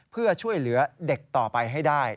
เพื่อช่วยเหลือเด็กต่อไปให้ได้